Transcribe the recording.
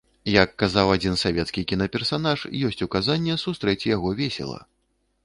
Як казаў адзін савецкі кінаперсанаж, ёсць указанне сустрэць яго весела.